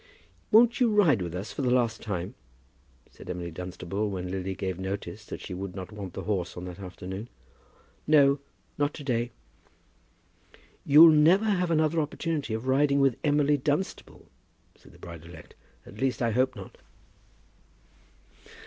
"Won't you ride with us for the last time?" said Emily Dunstable when Lily gave notice that she would not want the horse on that afternoon. "No; not to day." "You'll never have another opportunity of riding with Emily Dunstable," said the bride elect; "at least I hope not."